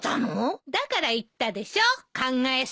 だから言ったでしょう考え過ぎだって。